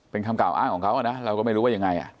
เป็นคำกล่าวอ้างของเขานะเราก็ไม่รู้ว่ายังไง